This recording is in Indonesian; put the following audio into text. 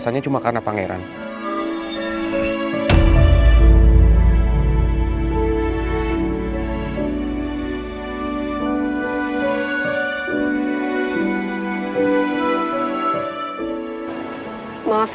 soalnya gue gak mau kena masalah lagi